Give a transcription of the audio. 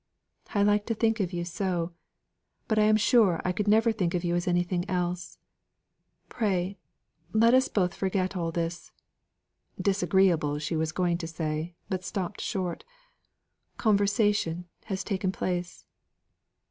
I like to think of you so; but I am sure I could never think of you as anything else. Pray let us both forget that all this" ("disagreeable," she was going to say, but stopped short) "conversation has taken place."